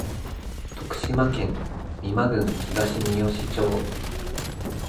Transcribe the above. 徳島県美馬郡東みよし町